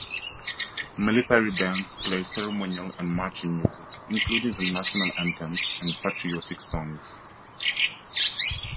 Military bands play ceremonial and marching music, including the national anthems and patriotic songs.